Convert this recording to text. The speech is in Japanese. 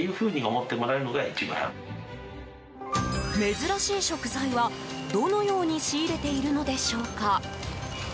珍しい食材は、どのように仕入れているのでしょうか？